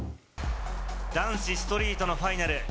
男子ストリートのファイナル。